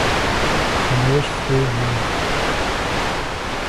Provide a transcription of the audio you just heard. Mas foi muito.